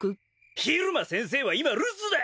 比留間先生は今留守だ！